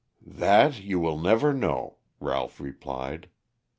"That you will never know," Ralph replied.